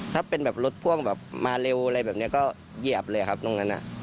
ถ้าเป็นแบบรถพ่วงแบบมาเร็วอะไรแบบนี้ก็เหยียบเลยครับตรงนั้น